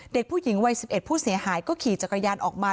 เด็กผู้หญิงวัย๑๑ผู้เสียหายก็ขี่จักรยานออกมา